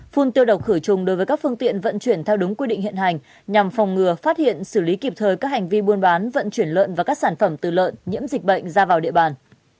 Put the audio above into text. phun tiêu độc khử trùng đối với các phương tiện vận chuyển theo đúng quy định hiện hành nhằm phòng ngừa phát hiện xử lý kịp thời các hành vi buôn bán vận chuyển lợn và các sản phẩm từ lợn nhiễm dịch bệnh ra vào địa bàn